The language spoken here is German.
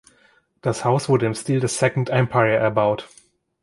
Das Haus wurde im Stil des Second Empire erbaut.